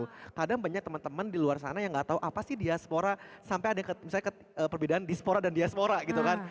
karena kadang banyak teman teman di luar sana yang gak tau apa sih diaspora sampai ada misalnya perbedaan dispora dan diaspora gitu kan